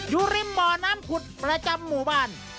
อยู่ริมบ่อน้ำขุดประจำหมู่บ้าน